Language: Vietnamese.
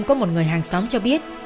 có một người hàng xóm cho biết